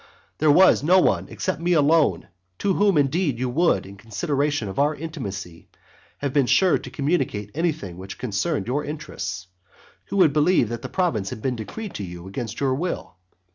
There was no one except me alone, to whom, indeed, you would, in consideration of our intimacy, have been sure to communicate anything which concerned your interests, who would believe that the province had been decreed to you against your will.